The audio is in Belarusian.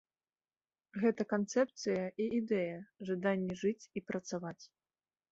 Гэта канцэпцыя і ідэя, жаданне жыць і працаваць.